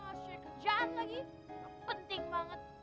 asyik kerjaan lagi gak penting banget